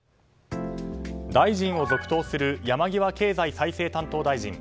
大臣を続投する山際経済再生担当大臣。